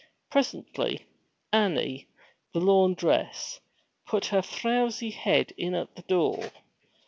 Presently, Annie, the laundress, put her frowsy head in at the door.